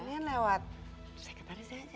gini kan lewat sekretaris aja